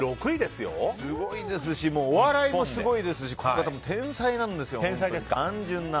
すごいですしお笑いもすごいですし天才なんですよ、単純な。